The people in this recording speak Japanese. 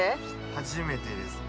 初めてですね。